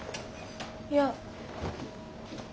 いや。